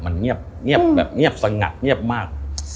มันเงียบแบบเงียบสงัดเงียบมาก